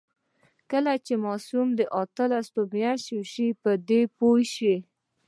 کله چې ماشوم اتلس میاشتنۍ شي، په دې پوه شي.